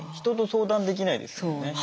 人と相談できないですよね。